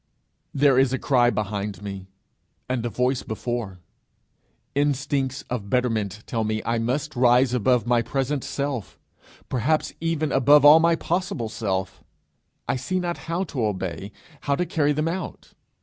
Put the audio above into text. There is a cry behind me, and a voice before; instincts of betterment tell me I must rise above my present self perhaps even above all my possible self: I see not how to obey, how to carry them out!